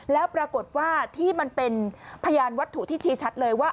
แล้วปรากฏว่าที่มันเป็นพยานวัตถุที่ชี้ชัดเลยว่า